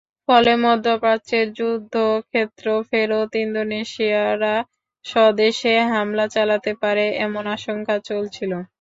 ফলে মধ্যপ্রাচ্যের যুদ্ধক্ষেত্র-ফেরত ইন্দোনেশীয়রা স্বদেশে হামলা চালাতে পারে, এমন আশঙ্কা চলছিল।